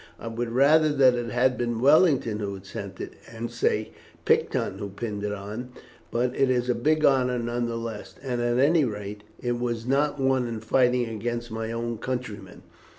I would rather that it had been Wellington who sent it, and say Picton who pinned it on; but it is a big honour none the less, and at any rate it was not won in fighting against my own countrymen.